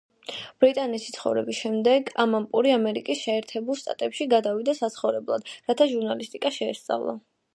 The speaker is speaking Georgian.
ბრიტანეთში ცხოვრების შემდეგ ამანპური ამერიკის შეერთებულ შტატებში გადავიდა საცხოვრებლად, რათა ჟურნალისტიკა შეესწავლა.